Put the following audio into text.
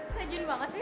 rajin banget sih